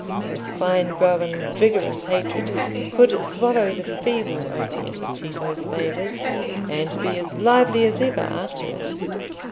This fine grown vigorous hatred could swallow the feeble opiate of Tito's favours, and be as lively as ever after it.